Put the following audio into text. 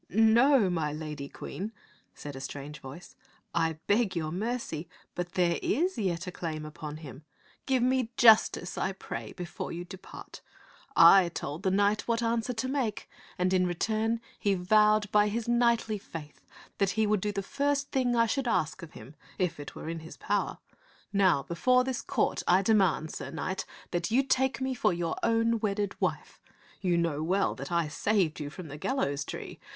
"No, my lady Queen," said a strange voice. " I beg your mercy, but there is yet a claim upon him. Give me justice, I pray, before you depart. I told the knight what answer to make, and in return he vowed by his knightly faith that he would do the first thing I should *$e TX^ife of ^ai^'B t<xh 121 ask of him if it were in his power. Now before this court I demand, sir knight, that you take me for your own wedded wife. You know well that I saved you from the gallows tree.